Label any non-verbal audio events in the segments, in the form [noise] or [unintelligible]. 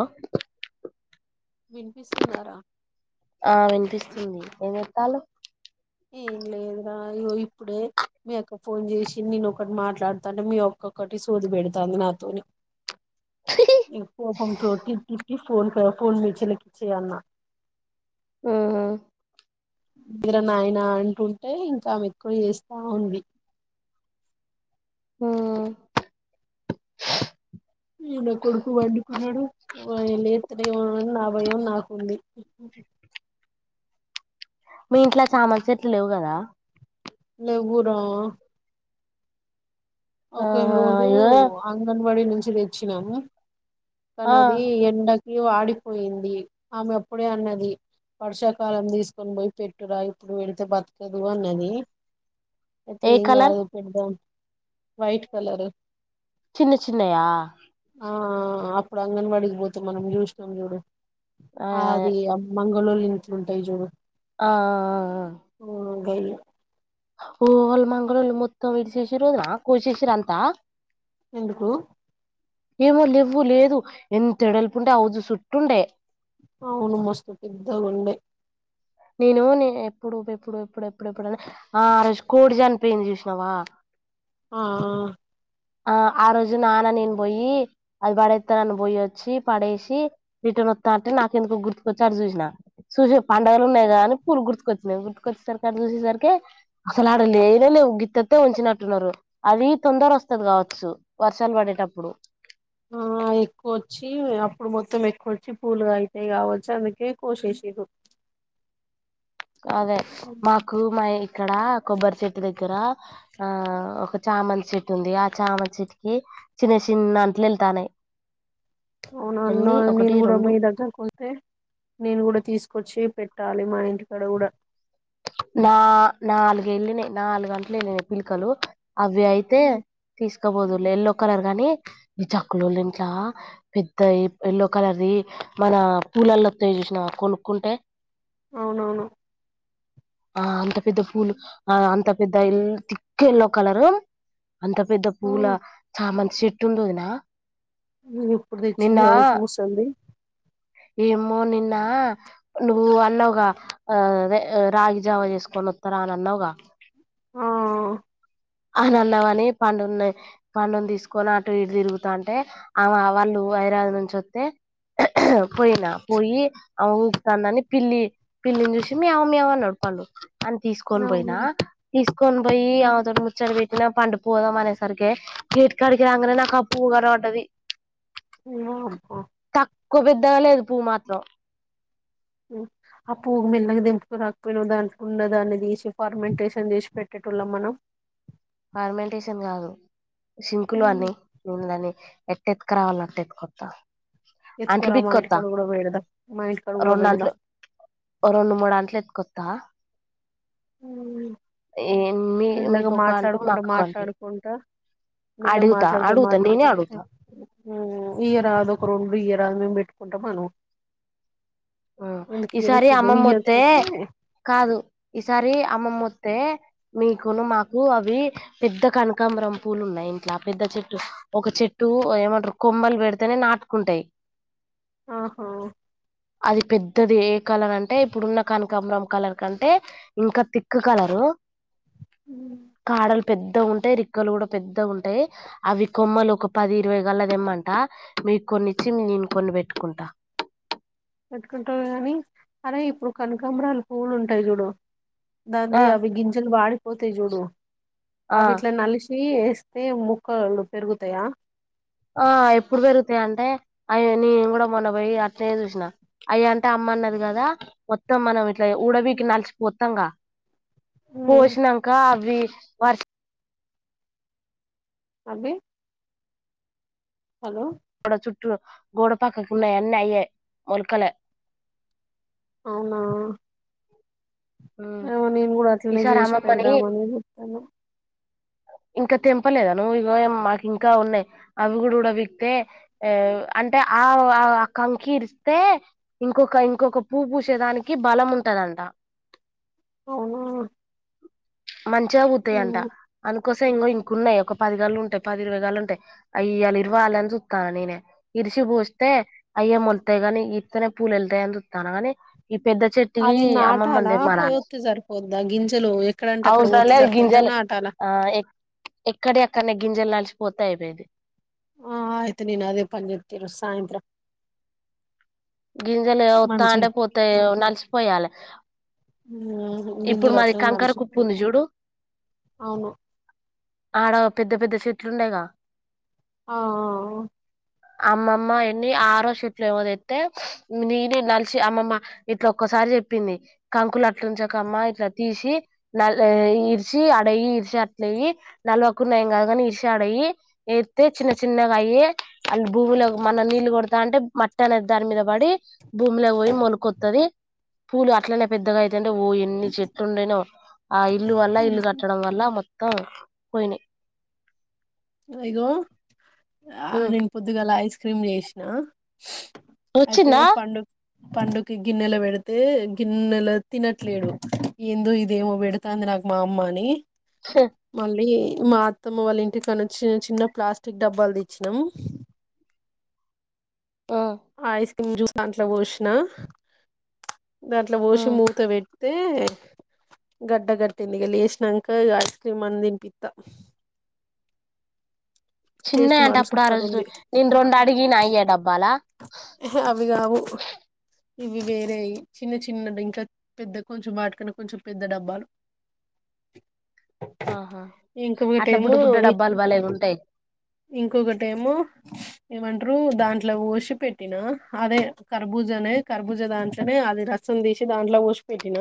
ఆ విన్పిసుందరా ఆ వినిపిస్తుంది ఎమ్ చెప్పాలే ఏం లేదురా ఇగో ఇప్పుడే మీ యక్క ఫోన్ జేచి నేనొకటి మాట్లాడుతాంటే మీ అక్కొకటి సోది పెడతాంది నాతోని ఇ కోపంతో కిక్కికి ఫోన్ తో ఫోన్ మీ చెల్లికి ఇచ్చేయి అన్నా ఉహు ఇడ నాయినా అంటుంటే ఇంకా ఆమే ఎక్కువ చేస్తా ఉంది హ్మ్ ఇ నా కొడుకు వండుకున్నాడు ఓ ఆయన లెత్తడు ఏమో అని నా భయం నాకుంది మీ ఇంట్ల చామంత్చేట్లు లేవు కదా లెవ్వు రా ఒక ఆహా రోజు ఇగో అంగన్ బడి నుంచి తెచ్చినాము ఆ కనది ఎండక్ కి వాడిపోయింది ఆమె అప్పుడే అన్నది వర్షాకాలం తీసుకొనిపోయి పెట్టురా ఇప్పుడు పెడితే బతకదు అన్నది అయితే ఏ ఏం కలర్ కాదు పెడుదాం వైట్ కలరు చిన్న చిన్నయా ఇప్పుడు అంగన్వాడకి వోతే మనం చూసినాం చూడు ఆ అది ఆ మంగ గొల్లోల్ల ఇంట్లుంటాయి జూడు ఆ ఆ ఆ [unintelligible] ఓ వాళ్ళు మంగళోళ్ళూ మొత్తం ఇరిశేషిన్రు ఒదిన కోసేసింరు అంతా ఎందుకు ఏమో లేవ్వు లేదు ఎంత ఎడల్పుండే హౌజు చుట్టుండే అవును మస్తు పెద్దగుండే నేను నే ఎప్పుడు ఎప్పుడు ఎప్పుడు ఎప్పుడు ఎప్పుడని ఆ ఆ రోజు కోడి జానిపోయింది చూసినవా ఆ ఆ ఆ ఆ రోజు నాన్న నేను బొయ్యి అది పడేత్తనని పొయ్యొచ్చి పడేసి రిటర్న్ ఒత్తంటే నాకెందుకో గుర్తుకొచ్చి ఆటు చూసిన చూస పండుగలు ఉన్నాయి కదా అని పూలు గుర్తుకొచ్చినయి గుర్తుకొచ్చేసరికి అటు చూసేసరికే అసలు ఆడ లేనే లేవు గిత్తతే ఉంచినట్టున్నారు అది తొందర ఓస్ స్తది కావోచ్చు వర్షాలు వడేటప్పుడు ఆ ఎక్కువ వచ్చి అప్పుడు మొత్తం ఎక్కువ వచ్చి పూలుగా అయితయి కావోచ్చు అందుకే కోశేషిన్రు అదే మాకు మా ఇక్కడ కొబ్బరి చెట్టు దగ్గర ఆ ఒక చామంతి చెట్టు ఉంది ఆ చామ చెట్టుకి చిన్న చిన్న అంట్లు వెళ్తానయి అవునా అన్నవ్ నేను కూడా మీ దగ్గరకొస్తే నేను కూడా తీసుకొచ్చి పెట్ టాలి మా ఇంటికాడ కూడ నా నాలుగేళ్ళినయి నాలుగంటలు ఏళ్ళినయి పిలకలు అవి అయితే తీసుకబోదులే ఏల్లో కలర్ గాని ఈ చాకలోల్ల ఇంట్ల పెద్ద ఎల్లో కలర్ది మన పుల్లల్లా ఒత్తయి చూసినవ కొనుక్కుంటే అవునవును ఆ అంత పెద్ద పూలు ఆ అంత పెద్ద ఎల్ ఎల్లో కలరు అంత పెద్ద ఆ పూల చామం చెట్టు ఉంది వదిన మీ ఇప్పుడు తెచ్చింది కావచ్చు ముసల్ది ఏమో నిన్న నువ్వు అన్నావుగా ఆ అదే రాగి జావా చేసుకొని వస్తారా అని అన్నావుగా ఆ అని అన్నవని పండుని పండును తీసుకొని అటు ఇటు తిరుగుతా అంటే ఆవా వాళ్ళు హైదరాబాద్ నుంచి వస్తే పోయిన పోయి ఆమె ఊపుతాందని పిల్లి పిల్లిని చూసి మ్యావ్ మ్యావ్ అన్నడు పండు అని తీసుకొని అవును పోయినా తీసుకొని పోయి హ్మ్. అమేతోని ము పెట్టినా పండు పోదాం అనేసరికి గేట్ కాడికి రాంగనే నాకు ఆ పువ్వు కనవడ్డిది ఏవో పో కొ పెద్దగా లేదు పువ్వు మాత్రం ఆ పువ్వు మెల్లగా తెంపుకు రాకపోయినావ్ దానికి ఉన్న దాన్ని తీసి ఫర్మెంటేషన్ చేసి పెట్టేటోళ్ళం మనం ఫర్మెంటేషన్ కాదు సింకులు హ్మ్. అన్ని నిన్ననే ఎ ఎత్కరావాలంటే ఎతుకొత్త ఎత్తుకుర మా ఇంటికాడ కూడా వెడదం మా ఇంటికాడ కూడా రెండు అంట్లు వెడదాం త్త ఊమ్ మీ మెల్లగా మీకు ఒక అంటూ మాట్లాడుకుంటా మాకు ఒక అంటూ మాట్లాడుకుంటా మెల్లగా అడుగుతా మాట్లాడుకు అడుగుతా నేనే మాట్లాడుకు అడుగుతా తెంప్ ఇయరాదు ఒక రెండు ఇయర్ దు మేము పెట్టుకుంటాం అను ఉమ్ ఎందుకు ఇయ్యదో ఈసారి చూద్దాం అమ్మమ్మ వొత్తే ఇయ్యకపోతే కాదు ఈసారి అమ్మమ్మ వొ త్తే మీకును మాకు అవి పెద్ద కనకాంబరం పూలు ఉన్నాయి ఇంట్ల పెద్ద చెట్టు ఒక చెట్టు ఏమంటారు కొమ్మలు వెడితేనే నాటుకుంటాయి అహా అది పెద్దది. ఏ కలర్ అంటే ఇప్పుడున్న కానకాంబరం కలర్ కంటే ఇంకా తిక్ కలరు. కాడలు పెద్దగా ఉంటాయి రిక్కలు కూడా పెద్దగా ఉంటాయి అవి కొమ్మలు ఒక పది ఇరవై గల్ల తెమ్మంట మీకు కొన్నిచ్చి నేను కొన్ని పెట్టుకుంటా పెట్టుకుంటారు గానీ అరే ఇప్పుడు కనకాంబరాలు పువ్వులు ఉంటాయి చూడు దాంది ఆ అవి గింజల్ వాడి పోతాయి చూడు ఆ ఆవిట్ల నలిషి ఏస్ ఇస్తే ముక్కలు పెరుగుతాయా ఆ ఎప్పుడు పెరుగుతాయి అంటే అయ్యో నీను కూడా మొన్న పోయి అట్నే చూసినా అయ్ అంటే అమ్మ అన్నది కదా మొత్తం మనం ఊడబీకిన్ నాల్స్ పోత్ తంగా ఉమ్, పోషినంక అవి వర్ష్ అవ్వి హలో గోడ చుట్టూ గోడపక్కకు ఉన్నయి అన్నీ అయ్యె మొలకలే అవునా అ నేను గుడా అట్లనే ఈసారి చేసి అమ్మమ్మని పెడదామని చెత్తన్నా ఇంకా తెంపలేదా నువ్వు ఓయమ్మా మాక్ ఇంకా ఉన్నాయి అవి గుడా ఊడబిక్తే అంటే ఆ ఆ కంకి ఇరిస్తే ఇంకొక ఇంకొక పూ పూసేదానికి బలం ఉంటదంట అవునా మంచిగా పుత్తయంట ఏమో. అను కోస ఇంకో ఇంకున్నాయ్ ఒక పదిగాళ్లు ఉంటాయి పది ఇరవై గాళ్లు ఉంటాయి అయ్ ఇయ్యాల ఇరవాలి అని చుస్తన్న నేనే ఇరిసి పోస్తే అయ్యే మొలతాయ్ గని ఇత్తనే పూలు వెళ్తాయని చుత్తన గాని ఈ పెద్ద చెట్టుకి అది అమ్మమ్మని నాటాలా పోయోత్తే సరిపోద్దా గింజలు ఎక్కడంటే అక్కడ పోతే అవుసలే సరిపోద్దా గింజలు నాటాలా ఆ ఎక్ ఎక్కడియి అక్కడ్నే గింజలు జల్లాల్సి పోతే అయిపోయింది ఆ ఆయితే నేను అదే పని చెత్త ఈరోజ్ సాయంత్రం గింజలు వత్తా మంచి అంటే పోతాయో నల్సి పోయాల ఇప్పుడు గింజలు మాది అట్లనే కంకర కుప్పుంది నలిసిపోతా చూడు అవును ఆడ పెద్ద పెద్ద చెట్లు ఉండాయిగా ఆ ఆ ఆ అమ్మమ్మ ఎన్ని ఆరో చెట్లేమో తెత్తే నేను నలిసి అమ్మమ్మ ఇట్లా ఒక్కసారి చెప్పింది కంకులు అట్లుంచకమ్మ ఇట్లా తీసి న ఇరిచి ఆడ ఇరిచి అట్లెయ్యి నల్వకున్న ఏం కాదు కాదు కాని ఇరిచి ఆడ ఎయ్యి ఎత్తే చిన్న చిన్నగా అయ్యి అ భువిలోకి మన్న నీళ్లు కొడతాంటే మట్ వేరే దన్మీద పడి భూమిలో పోయి మొలకొత్తది పూలు అట్లనే పెద్దగా అయితంటే ఊ ఎన్ని చెట్టు ఉండేనో ఆ ఇల్లు వల్ల ఇల్లు కట్టడం వల్ల మొత్తం అంత పోయినాయ్ ఇగో ఆ నేను పొద్దుగాల ఐస్ క్రీమ్ చేసినా అయితే వచ్చిందా పండు పండుకి గిన్నెల పెడితే గిన్నెలో తినట్లేడు ఏందో ఇదేమో పెడతాంది నాకు మా అమ్మని మళ్ళీ మా అత్తమ్మ వాళ్ళ ఇంటి కని చిన్న చిన్న ప్లాస్టిక్ డబ్బాలు తెచ్చినాము ఆ పూరిస్ దాంట్లోక్ పోసిన దాంట్లో పోసి మూత పెట్టి నే గడ్డ కట్టింది ఇగ లేశ్నంక ఇగ ఐస్క్రీమ్ అన్న తినిపిత్త చిన్నయి అంటే మాత్రం అప్పుడు ఆ సూపర్ రోజు ఉంది నేను రెండు అడిగనా అయ్యే డబ్బాలా ఎహె అవి కావు ఇవి వేరేయి చిన్న చిన్న ఇంకా పెద్ద కొంచెం వాటికన్నా కొంచెం పెద్ద డబ్బాలు ఆహా అట్లా బుడ్డ ఇంకొకటేమో బుడ్డ డబ్బాలు బాలేగా ఉంటాయి ఇంకొకటి ఏమో ఏమంటారు దాంట్లో పోసి పెట్టిన అదే కర్బూజానే కర్బూజా దాంట్లోనే అది రసం తీసి దాంట్లో పోసి పెట్టిన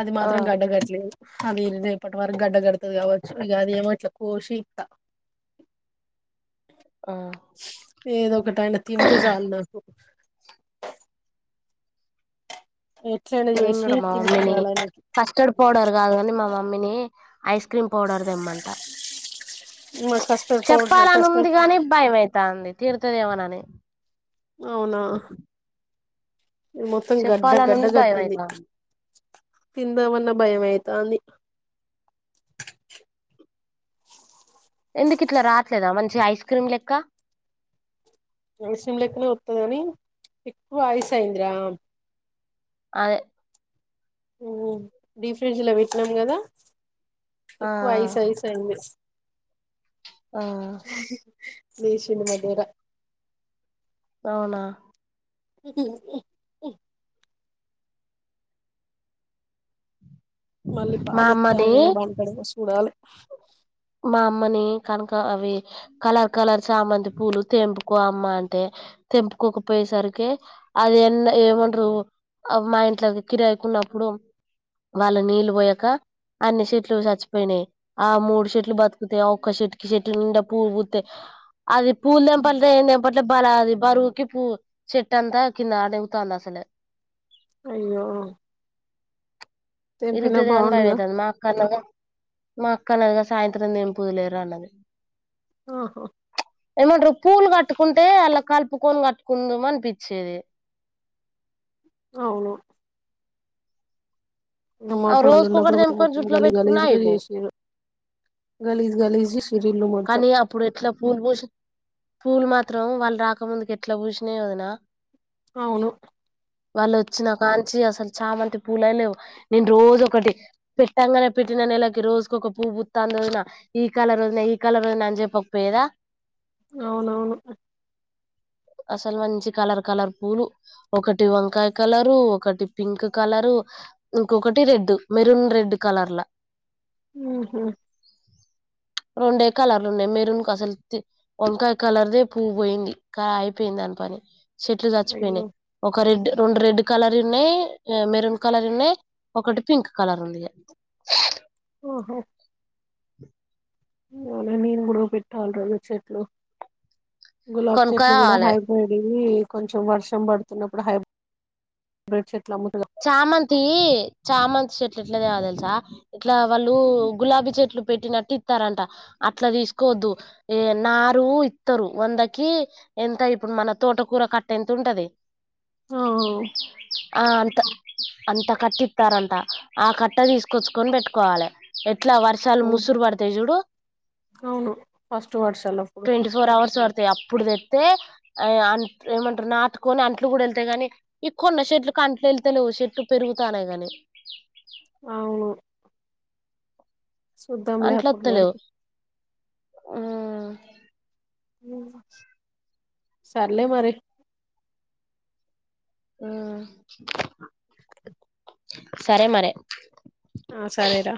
అది ఆ మాత్రం గండ కట్లేదు అది ఇ రేపటి వరక గడ్డ కడుతది కావచ్చు ఇక అది ఏమో ఇట్లు కోసి ఇస్తా ఆ ఏదో ఒకట అయన తింటే చాలు నాకు ఎట్లైనా నేను చేసి కూడా మా మమ్మీని తినిపియాలి ఆయనకి కస్టర్డ్ పౌడర్ కాదు కాని మా మమ్మీని ఐస్ క్రీమ్ పౌడర్ తెమ్మంట మా కస్టర్డ్ పౌడర్ చెప్పాలని ఉంది కస్టర్డ్ కాగాని భయమైతాంది తిడతాదేమో అని అవునా మొత్తం గడ్డ చెప్పాలని గడ్డ ఉంది భయం కట్టింది అయితాంది తిందామన్న భయమైతాంది ఎందుకు ఇట్లా రావట్లేదా మంచి ఐస్ క్రీమ్ లెక్క ఐస్ క్రీమ్ లెక్కనే వస్తది గానీ ఎక్కువ ఐస్ అయ్యింది రా అయ్ యు డీప్ ఫ్రిడ్జ్ లో పెట్టినాం కదా ఆ ఎక్కువ ఐస్ ఐస్ అయింది ఆ లేచింది మధుర అవునా మళ్ళీ మా అమ్మది పాలిస్తాయనే నా [unintelligible] కూడాలి మా అమ్మని కనుక అవి కలర్ కలర్ చామంతి పూలు తెంపుకో అమ్మ అంటే తెంపుకోకపోయేసరికి అది ఎన్న ఏమంటారు మా ఇంట్లో కిరాయికున్నప్పుడు వాళ్ళ నీళ్ళు పోయాక అన్ని చెట్లు చచ్చిపోయినాయి ఆ మూడు చెట్లు లు బతుకుతే అ ఒక చెట్టు చెట్టు నిండా పూల్ పూతాయి అది పూలు తెంపట్ల లే ఏం తెంపట్ల లే పాలాది బరువుకి పువ్వు చెట్టు అంత కింద అనుగుతోంది అసలు అయ్యో తెంపినా ఇరుగుతది అను బాగుండుగా భయమైతుంది మా అక్కనేగ మా అక్కనేగా సాయంత్రం నేను పూయలేరు అన్నది ఓహో ఏమంటారు పూలు కట్టుకుంటే అలా కలుపుకొని కట్టుకుందుము అనిపించేది అవును బొమ్మ ఆ పుల్లలు రోజుకొకటి ఉన్నప్పుడు మోతి తెంపుకొని మొత్తం జుట్లో గలీ పెట్టుకున్నా గలీజుగా అయిపోవు చేసిర్రు గలీజు గలీజు కానీ అప్పుడు ఎట్లా ఫూల్ పోసిన్ పూలు మాత్రం వాళ్ళు రాకముందుకు ఎట్లా పూసినయో వదిన అవును వాళ్ళు వచ్చిన కాంచి అసలు చామంతి పూలే లేవు నేను రోజు ఒకటి పెట్టంగానే పెట్టిన నెలకి రోజుకొక పూవు పూత్తాంది వదిన ఈ కలర్ రోజున ఈ కలరుందని జెప్పి [unintelligible] పోయేదా అవునవును అసలు మంచి కలర్ కలర్ పూలు ఒకటి వంకాయ కలరు ఒకటి పింక్ కలరు ఇంకొకటి రెడ్ మెరూన్ రెడ్ కలర్ల ఊహూ రెండే కలర్లు ఉన్నాయి మెరూన్ అసలు వంకాయ కలర్ది పువ్వు పోయింది. ఇంకా అయిపోయింది దాని పని చెట్లు చచ్చిపోయినై అయ్యో ఒక రెడ్ రెండు రెడ్ కలర్ ఉన్నాయి మెరూన్ కలర్ ఉన్నాయి ఒకటి పింక్ కలర్ ఉంది. ఓహో [unintelligible] నేను గూడ పెట్టాలి రెండు చెట్లు గులాబ్ చెట్లు కూడా కొనుక్కోవాలే హైబ్రిడ్ ఇ కొంచెం వర్షం పడుతున్నప్పుడు హైబ్రీడ్ చెట్టు చామంతీ చామంతి చెట్లు ఎట్ల చెయాలి తెలుసా ఇట్లా వాళ్ళు గులాబీ చెట్లు పెట్టినట్టు ఇత్తరంట అట్లా తీసుకోవద్దు ఏ నారు ఇత్తరు వందకి ఎంత ఇప్పుడు మన తోటకూర కట్ట ఎంత ఉంటది ఓ ఆ అంత కట్ట ఇస్తారంట ఆ కట్ట తీసుకొచ్చుకొని పెట్టుకోవాలి. ఇట్లా వర్షాలు ముసురు పడతాయి చూడు అవును ఫస్ట్ వర్షాలప్పుడు ట్వంటీ ఫోర్ అవర్స్ ప అప్పుడు తెత్తే అ అం ఏమంటారు నాటుకొని అంట్లు కూడా వెళ్తాయి గాని ఈ కొన్న చెట్లుకి అంట్లు ఎళ్ తలు చెట్టు పెరుగుతానే గాని సుద్దాంలే అప్పటివరకు హ్మ్ సర్లే మరి హ్మ్ సరే మరి ఆ సరేరా